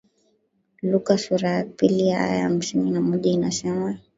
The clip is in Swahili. Luka sura ya pili aya ya hamsini na moja inasema